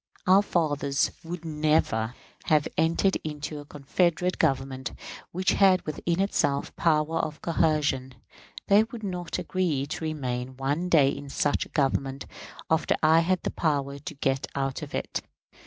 Our fathers would never have entered into a confederate Government which had within itself the power of coercion; they would not agree to remain one day in such a Government after I had the power to get out of it.